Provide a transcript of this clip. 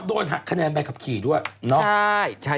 โดนหักคะแนนใบขับขี่ด้วยเนาะ